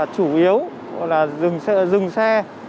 chủ yếu là dừng xe